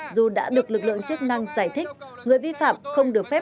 dù đã được lực lượng chức năng giải thích người vi phạm không được phép